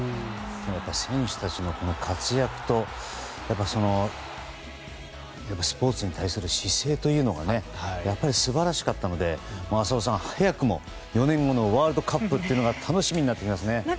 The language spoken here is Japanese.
選手たちの活躍とスポーツに対する姿勢というのがやっぱり素晴らしかったので浅尾さん早くも４年後のワールドカップが楽しみになってきますね。